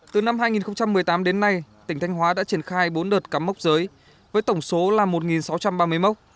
từ năm hai nghìn một mươi tám đến nay tỉnh thanh hóa đã triển khai bốn đợt cắm mốc giới với tổng số là một sáu trăm ba mươi mốc